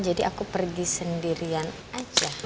jadi aku pergi sendirian aja